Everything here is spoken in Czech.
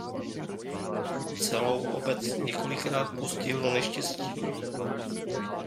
Celou obec několikrát postihlo neštěstí.